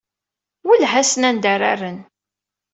Wellhen-asen anda ara rren.